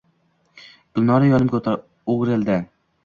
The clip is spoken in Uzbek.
Gulnora yoniga oʼgirildi.